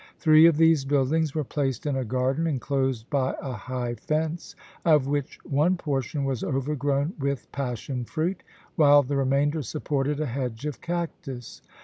Three of these buildings were placed in a garden enclosed by a high fence, of which one portion was overgrown with passion fruit, while the remainder supported a hedge of cactus.